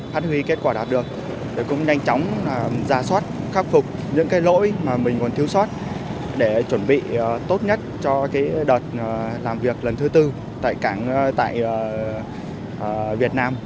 hát huy kết quả đạt được cũng nhanh chóng ra soát khắc phục những cái lỗi mà mình còn thiếu soát để chuẩn bị tốt nhất cho cái đợt làm việc lần thứ tư tại việt nam